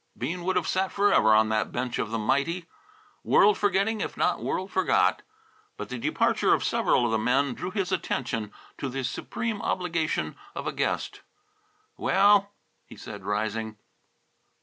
Bean would have sat forever on that bench of the mighty, world forgetting, if not world forgot. But the departure of several of the men drew his attention to the supreme obligation of a guest. "Well," he said, rising.